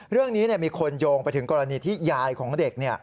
เรื่องนี้มีคนโยงไปถึงกรณีที่ยายของเด็ก